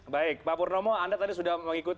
baik pak purnomo anda tadi sudah berkata kata